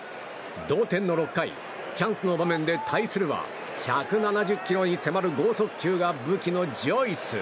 同点の６回、チャンスの場面で対するは１７０キロに迫る剛速球が武器のジョイス。